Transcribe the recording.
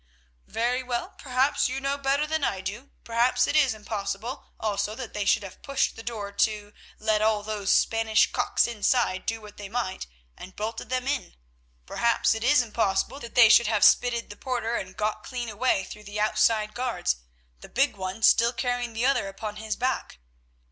"Very well, perhaps you know better than I do; perhaps it is impossible also that they should have pushed the door to, let all those Spanish cocks inside do what they might, and bolted them in; perhaps it is impossible that they should have spitted the porter and got clean away through the outside guards, the big one still carrying the other upon his back.